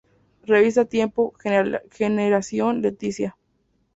Revista Tiempo: Generación Letizia